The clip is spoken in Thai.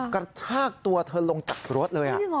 กระชากตัวเธอลงจากรถเลย